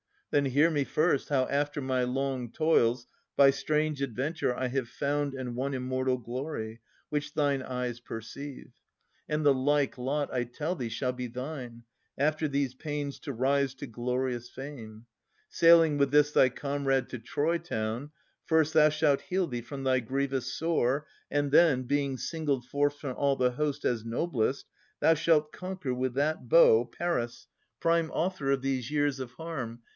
Then hear me, first how after my long toils By strange adventure I have found and won Immortal glory, which thine eyes perceive; And the like lot, I tell thee, shall be thine, After these pains to rise to glorious fame. Sailing with this thy comrade to Troy town, First thou shalt heal thee from thy grievous sore. And then, being singled forth from all the host As noblest, thou shalt conquer with that bow Paris, prime author of these years of harm.